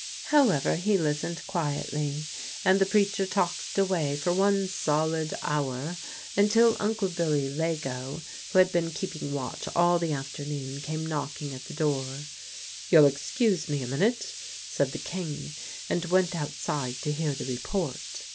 However, he listened quietly, and the preacher talked away for one solid hour, until Uncle Billy Leggo (who had been keeping watch all the afternoon) came knocking at the door. "You'll excuse me a minute," said the King, and went outside to hear the report.